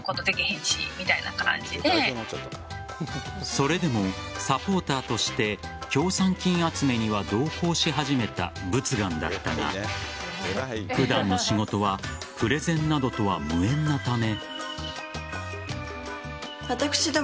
それでもサポーターとして協賛金集めには同行し始めた佛願だったが普段の仕事はプレゼンなどとは無縁なため。